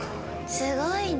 すごいね。